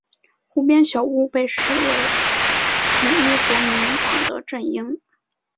湖边小屋被视为统一国民党的阵营。